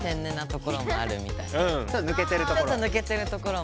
ちょっとぬけてるところ。